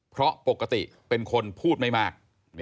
เพราะปกติเป็นคนพูดไม่มาก